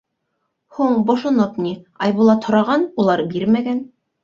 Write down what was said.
— Һуң, бошоп ни, Айбулат һораған, улар бирмәгән.